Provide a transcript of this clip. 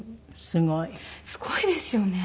すごいですよね。